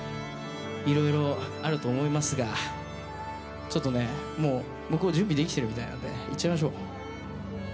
いろいろあると思いますがちょっとね、もう向こう準備できてるみたいなんでいっちゃいましょう。